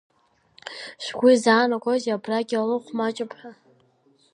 Шәгәы изаанагозеи абрагьы лыхә маҷуп ҳәа?